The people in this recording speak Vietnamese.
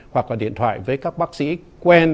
hoặc là điện thoại với các bác sĩ quen